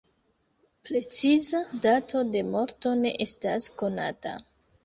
Preciza dato de morto ne estas konata.